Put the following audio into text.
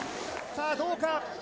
さあどうか。